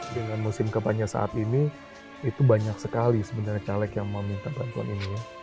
dengan musim kepanjang saat ini itu banyak sekali sebenarnya caleg yang meminta perantuan ini